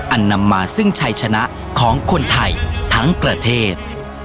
นำมาซึ่งชัยชนะของคนไทยทั้งประเทศ